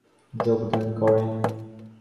তিনি ও রোহিণী কুমার চৌধুরী যোগদান করেন।